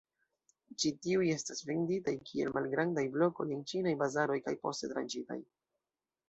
Ĉi tiuj estas venditaj kiel malgrandaj blokoj en ĉinaj bazaroj kaj poste tranĉitaj.